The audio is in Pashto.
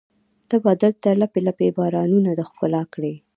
ته به دلته لپې، لپې بارانونه د ښکلا کړي